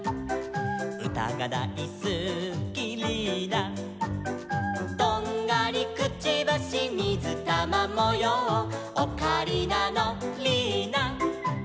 「うたがだいすきリーナ」「とんがりくちばしみずたまもよう」「オカリナのリーナ」